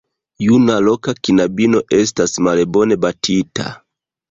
Juna loka knabino estas malbone batita.